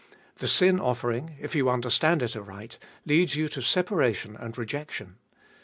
The sin offering, if you understand it aright, leads you to separation and rejection.